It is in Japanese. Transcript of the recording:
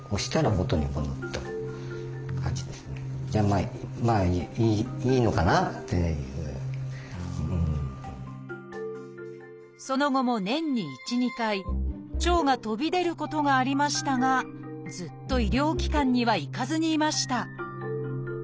和式のその後も年に１２回腸が飛び出ることがありましたがずっと医療機関には行かずにいました。